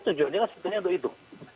tujuannya kan sebetulnya untuk itu